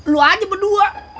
lu aja berdua